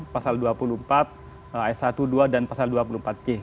pasal dua puluh empat ayat satu dua dan pasal dua puluh empat c